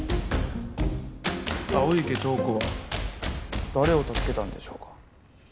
青池透子は誰を助けたんでしょうか